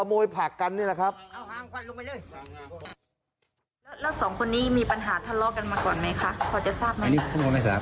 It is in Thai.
ผักกันนี่แหละครับ